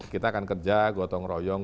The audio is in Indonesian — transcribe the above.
kita akan kerja gotong royong